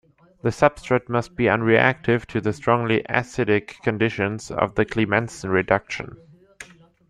The substrate must be unreactive to the strongly acidic conditions of the Clemmensen reduction.